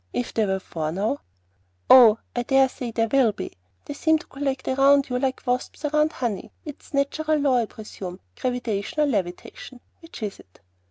If there were four, now " "Oh, I dare say there will be. They seem to collect round you like wasps round honey. It's some natural law, I presume, gravitation or levitation, which is it?"